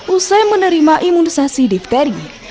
usai menerima imunisasi difteri